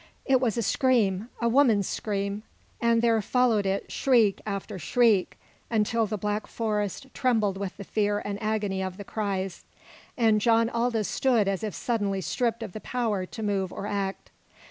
It was a scream a woman's scream, and there followed it shriek after shriek, until the black forest trembled with the fear and agony of the cries, and John Aldous stood as if suddenly stripped of the power to move or act.